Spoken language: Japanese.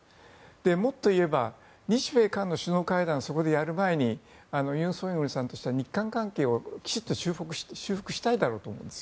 もっと言えば日米韓の首脳会談をそこでやる場合に尹錫悦さんとしては日韓関係をきちんと修復したいんだろうと思います。